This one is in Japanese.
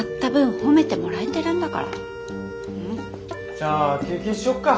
じゃあ休憩しよっか。